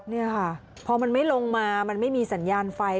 นี่ค่ะพอมันไม่ลงมามันไม่มีสัญญาณไฟ